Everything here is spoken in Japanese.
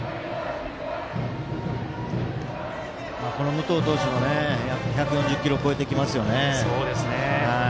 武藤投手も１４０キロを超えてきますよね。